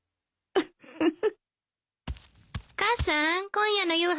ウフフフ。